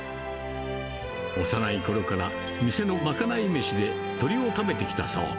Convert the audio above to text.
幼いころから店の賄い飯で鶏を食べてきたそう。